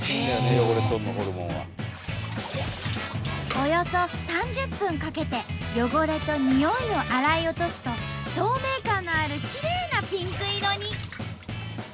およそ３０分かけて汚れとにおいを洗い落とすと透明感のあるきれいなピンク色に！